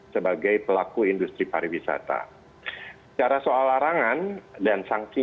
lebih lanjut mengenai